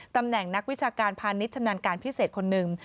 ตำแหน่งนักวิจการพาณิชย์ชำนาญการพิเศษคนหนึ่ง